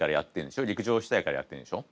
陸上したいからやってんでしょ？